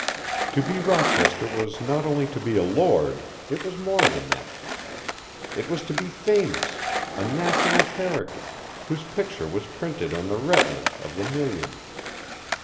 To be Rochester was not only to be a lord, it was more than that. It was to be famous, a national character, whose picture was printed on the retina of the million.